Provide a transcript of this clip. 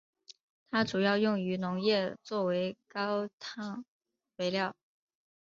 它主要用于农业作为高氮肥料。